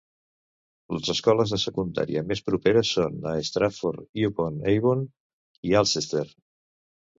Les escoles de secundària més properes són a Stratford-upon-Avon i Alcester.